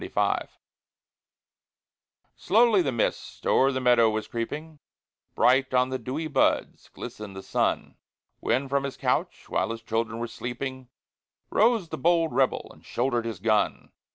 LEXINGTON [April 19, 1775] Slowly the mist o'er the meadow was creeping, Bright on the dewy buds glistened the sun, When from his couch, while his children were sleeping, Rose the bold rebel and shouldered his gun.